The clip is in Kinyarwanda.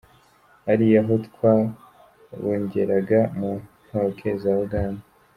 Hariya aho twabungeraga mu ntoke za Uganda?